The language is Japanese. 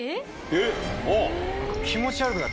えっ！